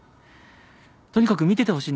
とにかく見ててほしいんだ。